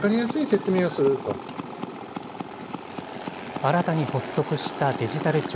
新たに発足したデジタル庁。